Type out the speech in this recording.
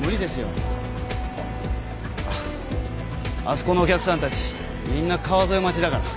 あそこのお客さんたちみんな川添待ちだから。